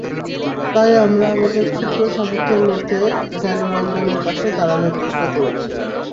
তাই আমরা আমাদের ক্ষুদ্র সামর্থ্যের মধ্যে জ্ঞানরঞ্জনের পাশে দাঁড়ানো চেষ্টা করেছি।